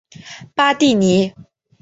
巴蒂尼。